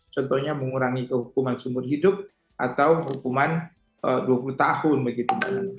contohnya mengurangi kehukuman seumur hidup atau hukuman dua puluh tahun begitu